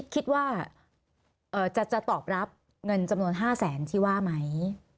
คิดว่าจะตอบรับเงินจำนวน๕แสนที่ว่าไหม